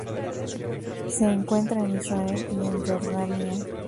Se encuentra en Israel y en Jordania.